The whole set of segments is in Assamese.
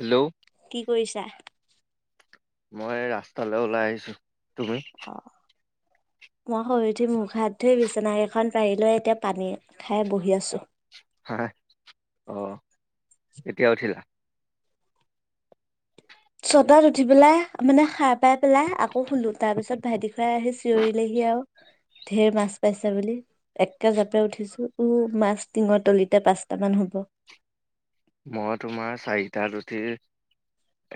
হেল্ল' কি কৰিছা মই ৰাস্তালৈ ওলাই আহিছো তুমি মই শুই উঠি মুখ হাত ধুই বিচনা কেইখন পাৰিলৈ এতিয়া পানী খাই বহি আছোঁ। হা অ এতিয়া উঠিলা? ছটাত উঠি পেলাই মানে খাই পাই পেলাই আকৌ শুলো তাৰপিছত ভাইটি কেইটাই আহি চিঞৰিলেহি আৰু উ ঢেৰ মাছ পাইছে বুলি একে জাপে উঠিছো মাছ টিঙৰ তলিতে পাঁচটা মান হ'ব। উ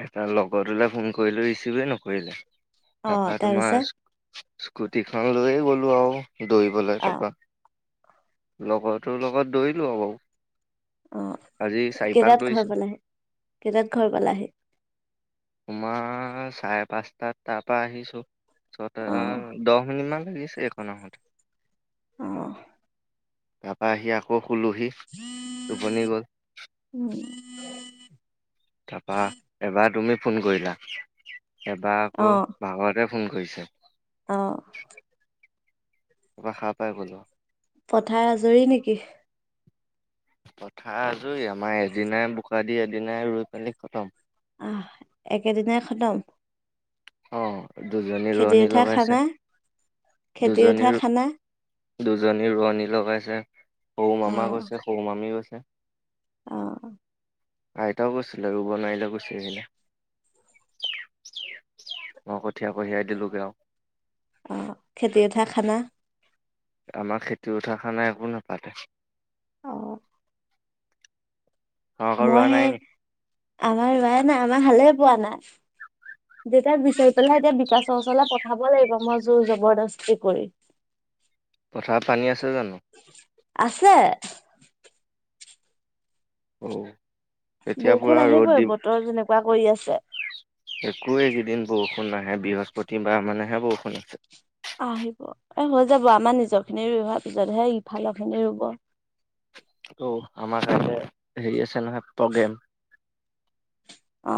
এটা লগতোলে ফোন কৰিলো ৰিচিভে নকৰিলে। অ তাৰাপা তোমাৰ তাৰপিছত স্কুটিখন লৈয়ে গ'লো আৰু। দৌৰিবলৈ অ তাৰপৰা লগৰটো লগত দৌৰিলো আৰু বাৰু আজি আহ চাৰি পাক কেইটাত ঘৰ দৌৰিছো পালাহে কেইটাত ঘৰ পালাহে পাঁচ চাৰে পাঁচটাত তাৰ পৰা আহিছো ছটা অ দহ মিনিট মান লাগিছে। একো নহয়তো আহ তাৰাপা আহি আকৌ শুলোহি টোপনি গল। উম তাৰাপা এবাৰ তুমি ফোন কৰিলা এবাৰ আকৌ ভাগৰতে। ফোন কৰিছে। অহ পুৰা হাৰ পাই গ'লো পথাৰ আজৰি নেকি? কথা আজৰি আমাৰ এদিনাই বোকা দি এদিনাই ৰুই মেলি খতম আহ একেদিনাই খতম অ দুজনী খেতি ৰোৱনী উঠা লগাইছে খানা খেতি উঠা দুজনীৰ। খানা দুজনী ৰোৱনী লগাইছে সৰু মামা গৈছে সৰু মামী গৈছে। অহ আইতাও কৈছিলে ৰুব নোৱাৰিলে গুচি আহিলে মই কঠীয়া কঢ়িয়াই দিলোগে আও অ খেতি উঠা খানা। আমাৰ খেতি উঠাৰ খানা একো নাপাতে। অ অ মই কৰোৱা সেই নাই নি আমাৰ ৰোৱৱাইে নাই আমাৰ হালে পোৱা নাই দেতাক বিচাৰি পেলাইহে এতিয়া বিকাশ চচলে পঠাব লাগিব মই জোৰ জবৰদস্তি কৰি পথাৰত পানী আছে জানো আছে। অ এতিয়া বৰষুণ পুৰা ৰ'দ আহিবই বতৰ যেনেকুৱা কৰি আছে একোৱ এইকেইদিন বৰষুণ নাহে বৃহস্পতিবাৰ মানেহে বৰষুণ আছে। আহিব এ হৈ যাব আমাৰ নিজৰ খিনি হোৱাৰ পিছতহে ইফালৰ খিনি ৰুব অ আমাৰ কাৰণে হেৰি আছে নহয় প্ৰগ্ৰেম অ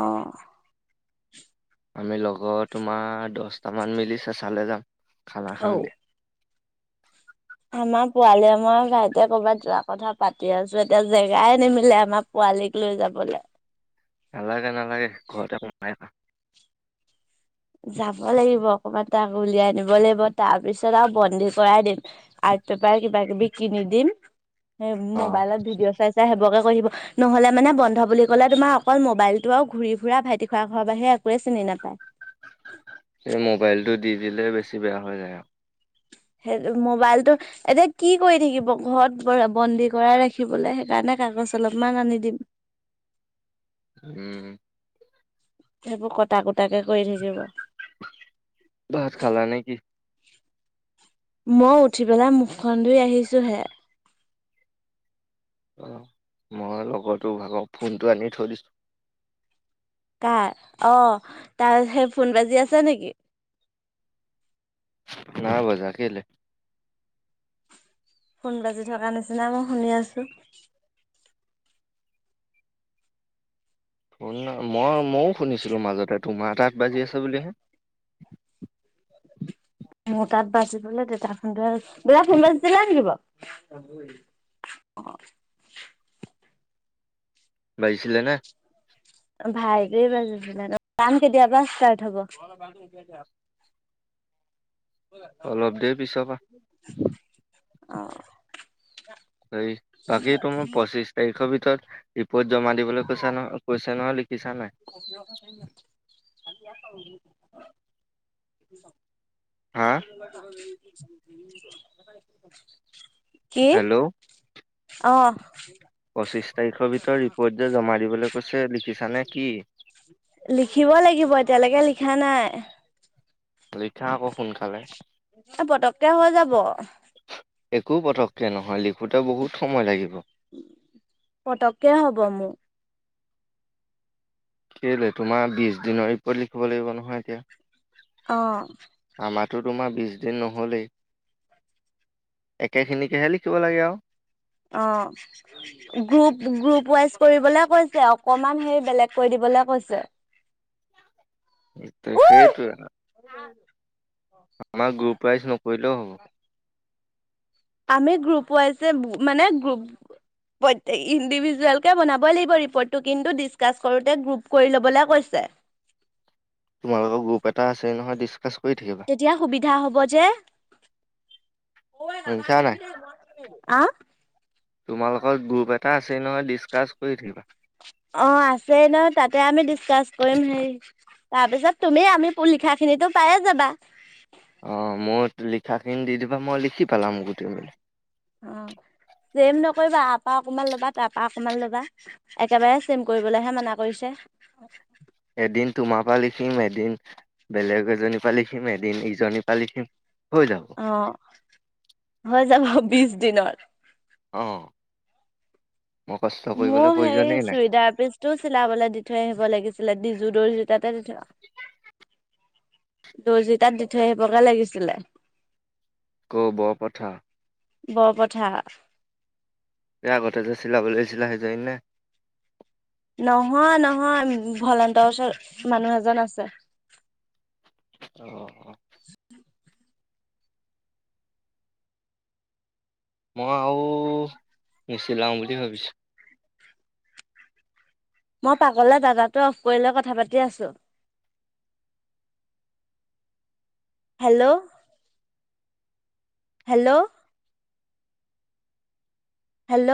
আমি লগৰ তোমাৰ দহটামান মিলি চচালে যাম খানা ঔ খামগে আমাৰ পোৱালিয় মই ভাইট কৰ'বাত যোৱা কথা পাতি আছো এতিয়া জেগাই নিমিলে আমাৰ প পালিক লৈ যাবলৈ। নালাগে নালাগে ঘৰতে সোমাই থাক যাব লাগিব অকবাত তাক উলিয়াই আনিব লাগিব তাৰ পিছত আৰু বন্দী কৰাই দিম পেপাৰ কিবা কিবি কিনি দিম অ মবাইলত ভিডিঅ চাই চাই সেইবোৰকে নহ'লে মানে বন্ধ বুলি ক'লে তোমাৰ অকল মোবাইলতটো আৰু ঘূৰি ফুৰা ভাইটি খুৰা ঘৰৰ বাহিৰে একোৱে চিনি নাপায় এই মোবাইলটো দি দিলে বেছি বেয়া হৈ যায় আৰু সেই মোবাইলতটো এতিয়া কি কৰি থাকিব ঘৰত বন্দী কৰাই ৰাখিবলৈ সেইকাৰণে কাগজ। পছ অলপমান আনি দিম উম সেইবোৰ কটা কুটাকে কৰি থাকিব ভাত খালা নে কি? মই উঠি পেলাই মুখখন ধুই আহিছো হে অ মই লগতো ভাগৰ ফোনটো আনি থৈ দিছোঁ। কাৰ অ তাৰ সেই ফোন বাজি আছে নেকি? নাই বজা কেলে। ফোন বাজি থকা নিচিনা মই শুনি আছো। শ মই ময়ো শুনিছিলোঁ মাজতে তোমাৰতাত বাজি আছে বুলিহে। মোৰ তাত বাজিবলে দেতা ফোনটো হে দেতা ফোনবাজি ছিলে নেকি বাও। অ বাজিছিলে নে? ভাইট বাজিছিল এক্সাম কেতিয়াবা ষ্টাৰ্ট হব। [unintelligible] অলপ দেৰি পিছৰ পৰা অহ বাকী তোৰ পঁচিশ তাৰিখৰ ভিতৰত জমা দিবলৈ কৈছ ন কৈছে ন ল [unintelligible] হা [unintelligible] হেল্ল' অ পঁচিশ তাৰিখৰ ভিতৰত ৰিপৰ্ট যে জমা দিবলৈ কৈছে লিখিছানে কি লিখিব লাগিব এতিয়ালৈকে লিখা নাই লিখা আকৌ সোনকালে। পতককে হৈ যাব। একো পতককে নহয় লিখোতে বহুত সময় লাগিব। পতককে হব মোৰ কেলৈ তোমাৰ বিশ দিনৰ ৰিপৰ্ট লিখিব লাগিব নহয় এতিয়া। অ আমাৰটো তোমাৰ বিশ দিন নহ'লেই। একেখিনিকেহে লিখিব লাগে আৰু। অ গ্ৰুপ গ্ৰুপ ৱাইজ কৰিবলে কৈছে অকণমান হেৰি বেলেগ কৈ দিব। বলে কৈছে। ত সেইটোৱে ন আমাৰ গ্ৰুপ প্ৰাইজ নকৰিলেও হ'ব আমি গ্ৰুপ ৱাইজ মানে গ্ৰুপ। প্ৰত্যেক ইণ্ডিভিজুৱেলকে বনাবই লাগিব ৰিপ'ৰ্টটো কিন্তু ডিছকাছ কৰোতে গ্ৰুপ কৰি ল'বলৈ কৈছে তোমালোকৰ গ্ৰুপ এটা আছে নহয় ডিচকাচ কৰি থাকিবা তেতিয়া সুবিধা হব যে। শুনিছা নাই? আহ তোমালোকৰ গ্ৰুপ এটা আছেই নহয় ডিচকাছ কৰি থাকিবা অ আছেই ন তাতে আমি ডিচকাচ কৰিম হেই তাৰ পিছত তুমি আমি লিখা খিনিটো পায়ে যাবা অ মোৰ লিখাখিনি দি দিবা মই লিখি পেলাম গোটেই মি অ ছেম নকৰিবা আপা অকমান ল'বা তাৰ পৰা অকমান ল'বা একেবাৰে চেম কৰিবলেহে মান কৰিছে [unintelligible] এদিন তোমাৰ পৰা লিখিম এদিন বেলেগ এজনীৰ পৰা লিখিম এদিন ইজনীৰ পৰা লিখিম। হৈ যাব। অ হৈ যাবা বিছ দিনৰ। আহঁ মোৰ হে চুৰিদাৰ পিচটোও চিলাবলৈ দি থৈ আহিব লাগিছিলে ডিজু দৰ্জী তাতে। দৰ্জিতাত দি থৈ আহিবগে লাগিছিলে। কৰ বৰপথাৰ। বৰপথাৰ এই আগতে যে চিলাব দিছিলা সেইজনি নে নহয় নহয় ভলন্তৰ ওচৰত মানুহ এজন আছে। আহ অ মই আৰু নিছিলাও বুলি ভাবিছো মই পাগলে দাদাটো অফ কৰি লৈ কথা পাতি আছো। Hello hello hello